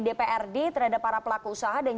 dprd terhadap para pelaku usaha dan